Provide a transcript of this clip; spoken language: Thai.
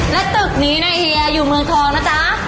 และตึกนี้นะเฮียอยู่เมืองทองนะจ๊ะ